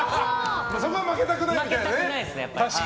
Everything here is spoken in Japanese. そこは負けたくないですね。